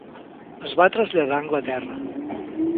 Es va traslladar a Anglaterra.